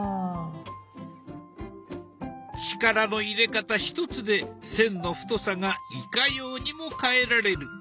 力の入れ方ひとつで線の太さがいかようにも変えられる。